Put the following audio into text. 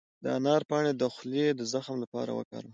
د انار پاڼې د خولې د زخم لپاره وکاروئ